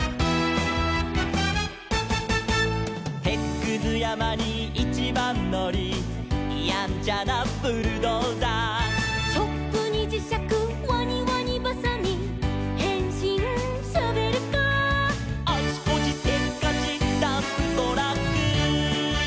「てつくずやまにいちばんのり」「やんちゃなブルドーザー」「チョップにじしゃくワニワニばさみ」「へんしんショベルカー」「あちこちせっかちダンプトラック」